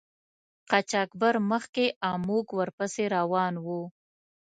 قاچاقبر مخکې او موږ ور پسې روان وو.